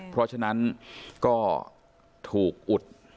เพราะฉะนั้นก็ถูกอุด